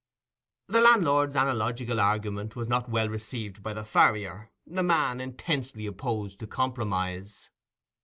The landlord's analogical argument was not well received by the farrier—a man intensely opposed to compromise.